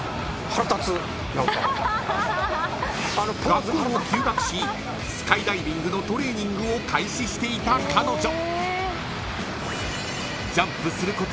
［学校を休学しスカイダイビングのトレーニングを開始していた彼女］